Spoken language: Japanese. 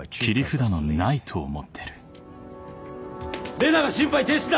麗奈が心肺停止だ！